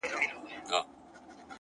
شکر د خدای په نعموتو کي چي تا وينم”